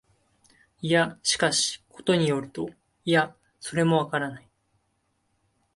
いや、しかし、ことに依ると、いや、それもわからない、